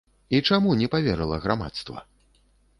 І чаму не паверыла грамадства?